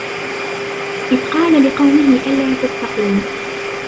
إِذْ قَالَ لِقَوْمِهِ أَلَا تَتَّقُونَ